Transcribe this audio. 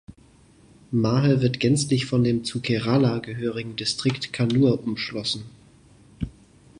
Mahe wird gänzlich von dem zu Kerala gehörigen Distrikt Kannur umschlossen.